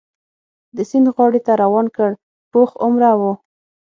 د سیند غاړې ته روان کړ، پوخ عمره و.